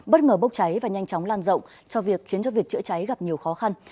bất ngờ bốc cháy và nhanh chóng lan rộng cho việc khiến cho việc chữa cháy gặp nhiều khó khăn